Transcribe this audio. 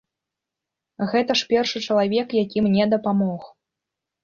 Гэта ж першы чалавек, які мне дапамог.